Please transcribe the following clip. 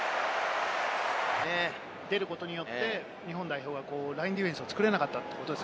出ることによって、日本代表がラインディフェンスを作れなかった。